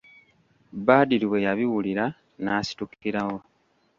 Badru bwe yabiwulira n'asitukirawo.